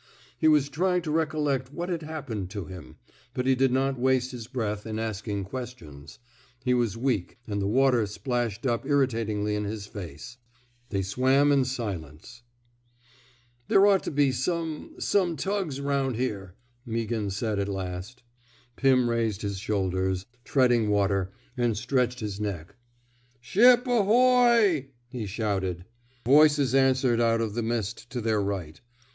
He was trying to recollect what had happened to him, but he did not waste his breath in asking questions. He was weak, and the water splashed up irritatingly in his face. They swam in silence. 51 THE SMOKE EATERS There ought to be some — some tugs aroun' here/' Meaghan said at last. Pim raised his shoulders, treading water, and stretched his neck. Ship ahoy! *' he shouted. Voices answered out of the mist to their right.